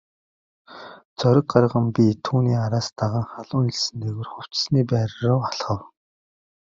Зориг гарган би түүний араас даган халуун элсэн дээгүүр хувцасны байр руу алхав.